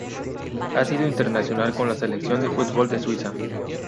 Ha sido internacional con la selección de fútbol de Suiza.